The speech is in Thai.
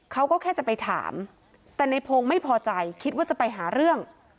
เขาก็แค่จะไปถามแต่ในพงศ์ไม่พอใจคิดว่าจะไปหาเรื่อง